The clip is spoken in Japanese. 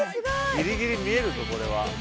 ギリギリ見えるぞこれは。